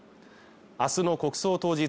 明日の国葬当日